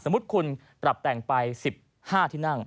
มุติคุณปรับแต่งไป๑๕ที่นั่ง